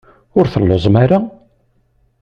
Ur telluẓem ara?